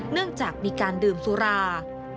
เนื่องจากมีการดื่มสุรา